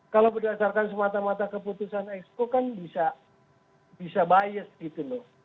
kalau berdasarkan semata mata keputusan exco kan bisa bias gitu loh